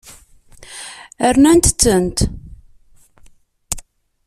Rnant-tent.